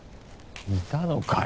いたのかよ。